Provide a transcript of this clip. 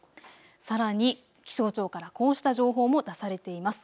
さらに気象庁からこうした情報も出されています。